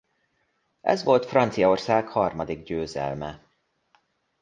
Ez volt Franciaország harmadik győzelme.